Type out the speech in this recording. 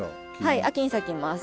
はい秋に咲きます。